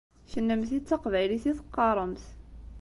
Kennemti d taqbaylit i teqqaṛemt.